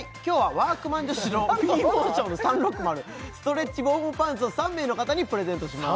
ワークマン女子のウィーモーション３６０ストレッチウォームパンツを３名の方にプレゼントします